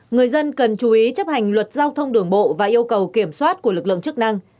người dân cần chú ý chấp hành luật giao thông đường bộ và yêu cầu kiểm soát của lực lượng chức năng